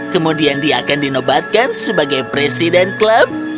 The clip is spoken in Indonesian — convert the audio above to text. kemudian dia akan dinobatkan sebagai presiden klub